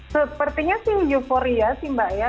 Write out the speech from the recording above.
sepertinya sih euforia sih mbak ya